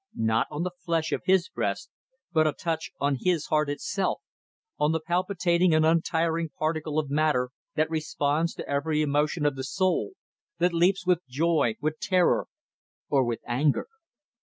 Not on the flesh of his breast, but a touch on his heart itself, on the palpitating and untiring particle of matter that responds to every emotion of the soul; that leaps with joy, with terror, or with anger.